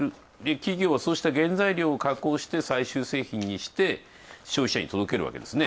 企業は、そうした原材料を加工して最終製品にして、消費者に届けるわけですね。